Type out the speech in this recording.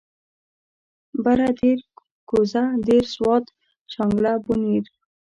بره دير کوزه دير سوات شانګله بونير